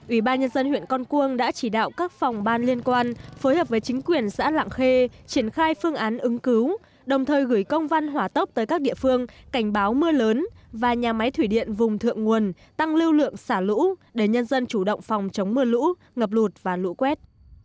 ủy ban nhân dân huyện con cuông đã chỉ đạo các phòng ban liên quan phối hợp với chính quyền xã lạng khê triển khai phương án ứng cứu đồng thời gửi công văn hỏa tốc tới các địa phương cảnh báo mưa lớn và nhà máy thủy điện vùng thượng nguồn tăng lưu lượng xả lũ để nhân dân chủ động phòng chống mưa lũ ngập lụt và lũ quét